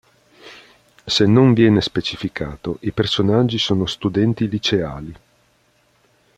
Se non viene specificato, i personaggi sono studenti liceali.